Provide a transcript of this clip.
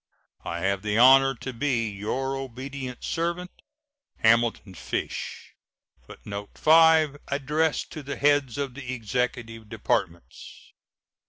I have the honor to be, your obedient servant, HAMILTON FISH. [Footnote 5: Addressed to the heads of the Executive Departments.